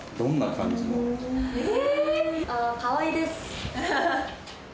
え？